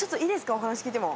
お話聞いても。